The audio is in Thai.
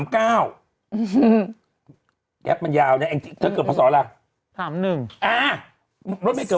แก๊บมันยาวเนี่ยเธอเกิดภาษาอะไร